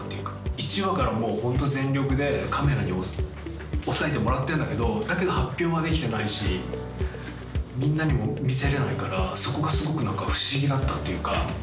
１話からホント全力でカメラに押さえてもらってんだけどだけど発表はできてないしみんなにも見せれないからそこがすごく何か不思議だったっていうか。